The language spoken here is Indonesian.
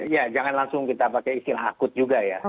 ya jangan langsung kita pakai istilah akut juga ya